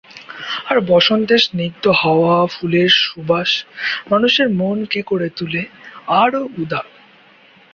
আর বসন্তের স্নিগ্ধ হাওয়া, ফুলের সুবাস মানুষের মনকে করে তুলে আরও উদার।